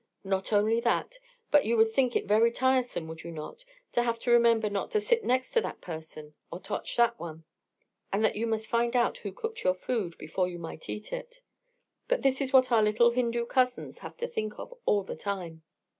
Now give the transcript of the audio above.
Not only that, but you would think it very tiresome, would you not, to have to remember not to sit next to that person or touch this one? And that you must find out who cooked your food before you might eat it? But this is what our little Hindu cousins have to think of all the time.